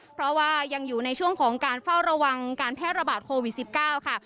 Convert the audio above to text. เพราะว่ายังอยู่ในช่วงของการเฝ้าระวังการแพร่ระบาดโควิด๑๙ค่ะ